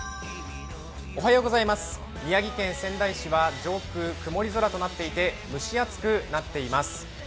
宮城県仙台市は上空曇り空となっていて蒸し暑くなっています。